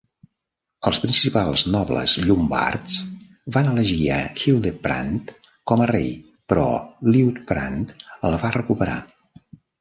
Els principals nobles llombards van elegir a Hildeprand com a rei, però Liutprand el va recuperar.